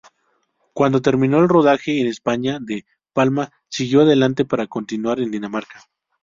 Cuando terminó el rodaje en España, De Palma siguió adelante para continuar en Dinamarca.